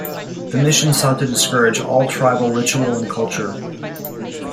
The mission sought to discourage all tribal ritual and culture.